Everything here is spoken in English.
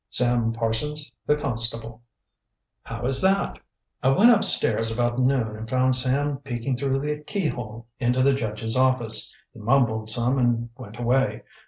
"Sam Parsons, the constable." "How is that?" "I went upstairs about noon and found Sam peeking through the keyhole into the judge's office. He mumbled some and went away.